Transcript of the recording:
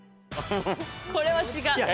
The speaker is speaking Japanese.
これは違う。